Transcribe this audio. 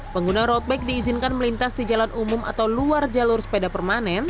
pengguna road bike diizinkan melintas di jalan umum atau luar jalur sepeda permanen